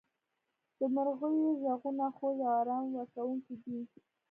• د مرغیو ږغونه خوږ او آرام ورکوونکي دي.